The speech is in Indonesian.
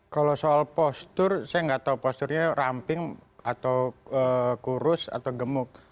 kalau soal postur saya nggak tahu posturnya ramping atau kurus atau gemuk